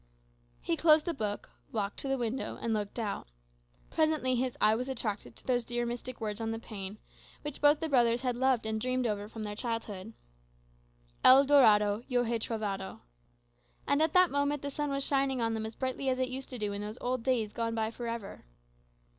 He closed the book, walked to the window and looked out. Presently his eye was attracted to those dear mystic words on the pane, which both the brothers had loved and dreamed over from their childhood, "El Dorado Yo hé trovado." And at that moment the sun was shining on them as brightly as it used to do in those old days gone by for ever.